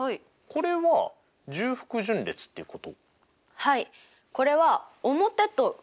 これは重複順列っていうこと？